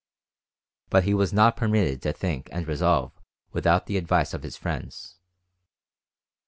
But he was not permitted to think and resolve without the advice of his friends.